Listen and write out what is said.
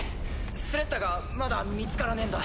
スレッタがまだ見つからねぇんだ。